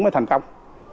nó thành công